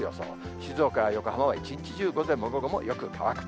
静岡や横浜は一日中、午前も午後もよく乾く。